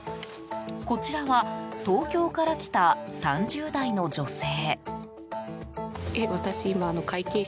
こちらは東京から来た３０代の女性。